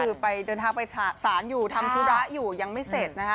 คือไปเดินทางไปสารอยู่ทำธุระอยู่ยังไม่เสร็จนะคะ